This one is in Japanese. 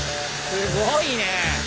すごいね。